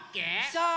そう！